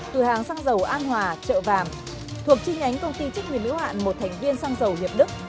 từ hàng xăng dầu an hòa chợ vàng thuộc chinh nhánh công ty chức nguyên lữu hạn một thành viên xăng dầu hiệp đức